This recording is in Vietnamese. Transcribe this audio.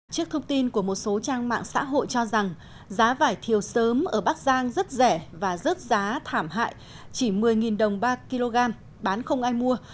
trước thông tin của một số trang mạng xã hội cho rằng giá vải thiều sớm ở bắc giang rất rẻ và rớt giá thảm hại chỉ một mươi đồng ba kg bán không ai mua